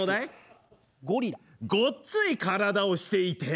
ごっつい体をしていて。